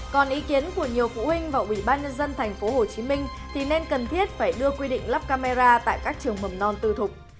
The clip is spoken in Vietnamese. còn ý kiến của nhiều phụ huynh vào ủy ban nhân dân tp hcm thì nên cần thiết phải đưa quy định lắp camera tại các trường mầm non tư thục